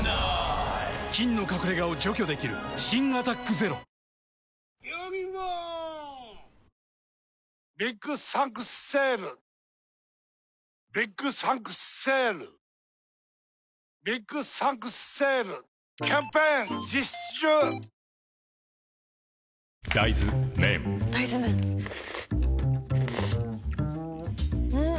菌の隠れ家を除去できる新「アタックＺＥＲＯ」大豆麺ん？